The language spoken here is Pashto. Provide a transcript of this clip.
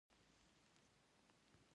خۍ خپه دې پينزه وارې ووينزه.